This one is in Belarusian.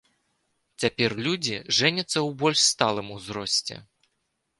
Цяпер людзі жэняцца ў больш сталым узросце.